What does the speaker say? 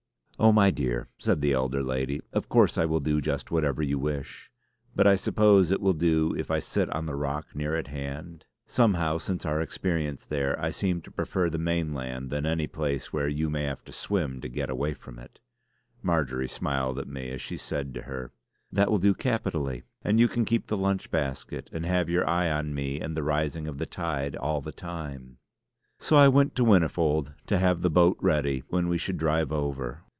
"Oh, my dear," said the elder lady, "of course I will do just whatever you wish. But I suppose it will do if I sit on the rock near at hand? Somehow, since our experience there, I seem to prefer the mainland than any place where you may have to swim to get away from it." Marjory smiled at me as she said to her: "That will do capitally. And you can keep the lunch basket; and have your eye on me and the rising of the tide all the time." So I sent to Whinnyfold to have a boat ready when we should drive over.